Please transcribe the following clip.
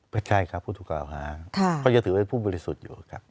ก็ใช่ครับผู้ถูกกล่าวหาเขายังถือว่าเป็นผู้บริสุทธิ์อยู่ครับ